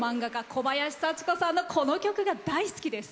小林幸子さんのこの曲が大好きです。